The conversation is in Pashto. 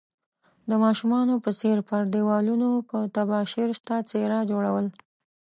د ماشومانو په څير پر ديوالونو په تباشير ستا څيره جوړول